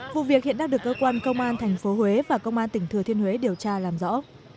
vụ việc hiện đang được cơ quan công an tp huế và công an tỉnh thừa thiên huế điều tra làm rõ